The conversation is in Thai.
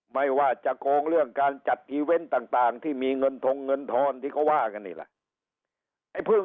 ไม่ว่าจะโกงเรื่องการจัดอีเวนต์ต่างที่มีเงินทงเงินทอนที่เขาว่ากันนี่แหละ